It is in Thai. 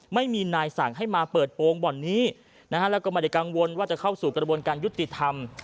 ไม่มีนายสั่งให้มาเปิดโปรงบ่อนนี้นะฮะแล้วก็ไม่ได้กังวลว่าจะเข้าสู่กระบวนการยุติธรรม